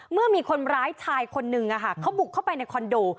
เมื่อมีคนร้ายชายคนนึงเขาบุกเข้าไปในคอนโด